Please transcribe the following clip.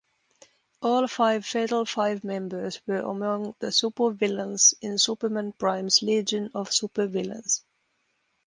All five Fatal Five members were among the supervillains in Superman-Prime's Legion of Super-Villains.